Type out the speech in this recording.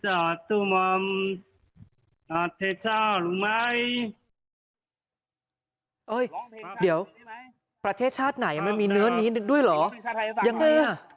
เดี๋ยวประเทศชาติไหนมันมีเนื้อนี้ด้วยเหรอยังไงอ่ะ